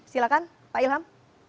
silahkan pak ilham